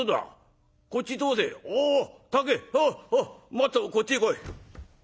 もっとこっちへ来い」。